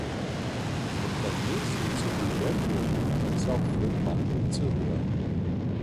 Am Klavier sind sowohl Mercury als auch Fred Mandel zu hören.